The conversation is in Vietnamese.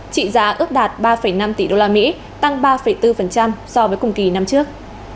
trị giá ước đạt ba năm tỷ usd tăng ba bốn so với cùng kỳ năm trước